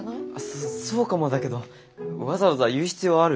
そそうかもだけどわざわざ言う必要ある？